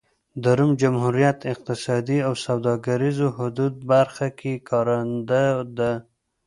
د روم جمهوریت اقتصادي او سوداګریزو حدودو برخه کې کارنده ده.